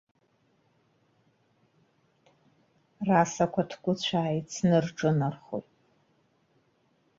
Расақәа ҭкәыцәаа, еицны рҿынархоит.